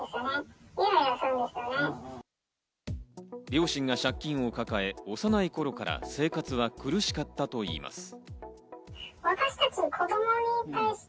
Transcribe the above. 両親が借金を抱え、幼い頃から生活は苦しかったといいます。